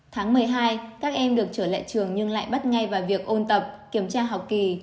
tháng một mươi hai các em được trở lại trường nhưng lại bắt ngay vào việc ôn tập kiểm tra học kỳ